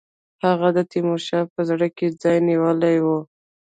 هغه د تیمورشاه په زړه کې ځای نیولی وو.